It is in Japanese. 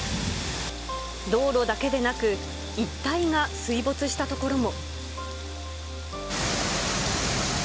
道路だけでなく、一帯が水没した所も。